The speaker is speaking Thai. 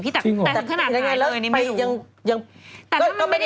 พี่แต่ขนาดไหนมืออันนี้ไม่รู้